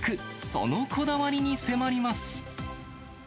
そのこだわりに迫ります。